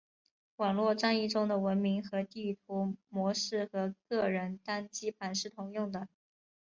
网络战役中的文明和地图模式和个人单机版是通用的。